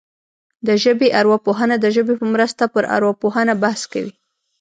د ژبې ارواپوهنه د ژبې په مرسته پر ارواپوهنه بحث کوي